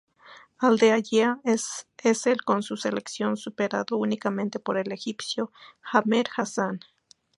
Al-Deayea es el con su selección, superado únicamente por el egipcio Ahmed Hassan.